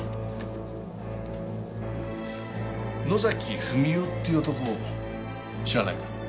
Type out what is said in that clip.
野崎文夫っていう男知らないか？